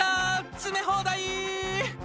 詰め放題！